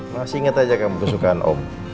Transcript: masih inget aja kamu kesukaan om